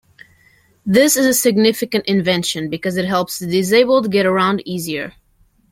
This is a significant invention because it helps the disabled get around easier.